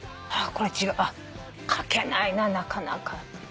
これ違うあっ書けないななかなか。